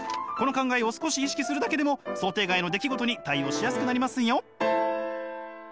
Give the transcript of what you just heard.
この考えを少し意識するだけでも想定外の出来事に対応しやすくなりますよ！